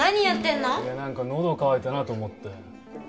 いや何か喉渇いたなと思って。